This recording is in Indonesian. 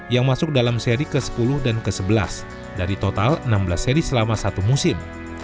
yang masuk dalam seri ke sepuluh dan ke sebelas dari total enam belas seri selama satu musim